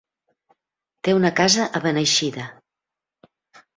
Té una casa a Beneixida.